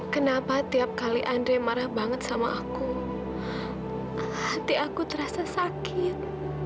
kenapa tiap kali andre marah banget sama aku hati aku terasa sakit